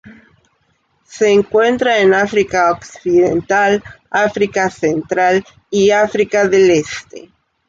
Se encuentra en África occidental África Central y África del Este.